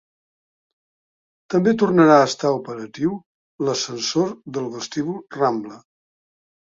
També tornarà a estar operatiu l'ascensor del vestíbul Rambla.